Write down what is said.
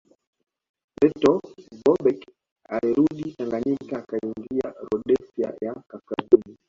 Lettow Vorbeck alirudi Tanganyika akaingia Rhodesia ya Kaskazini